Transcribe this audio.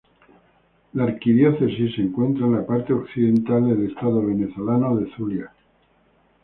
La arquidiócesis se encuentra en la parte occidental del estado Venezolano de Zulia.